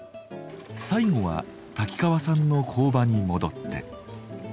最後は瀧川さんの工場に戻って。